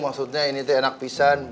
maksudnya ini tuh enak pisan